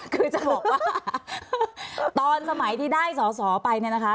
คือจะบอกว่าตอนสมัยที่ได้สอสอไปเนี่ยนะคะ